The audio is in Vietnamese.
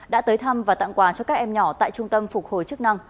đã tới thăm và tặng quà cho các em nhỏ tại trung tâm phục hồi chức năng